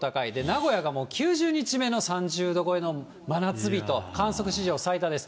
名古屋がもう、９０日目の３０度超えの真夏日と、観測史上最多です。